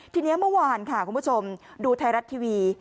ทีนี้เมื่อวานค่ะคุณผู้ชมดูไทยรัฐทีวี